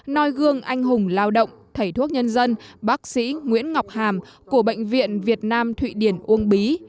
nói gương anh hùng lao động thầy thuốc nhân dân bác sĩ nguyễn ngọc hàm của bệnh viện việt nam thụy điển uông bí